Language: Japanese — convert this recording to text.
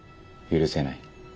許せない？